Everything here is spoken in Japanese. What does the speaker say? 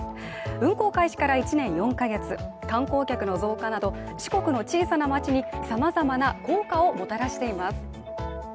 運行開始から１年４か月、観光客の増加など四国の小さな町にさまざまな効果をもたらしています。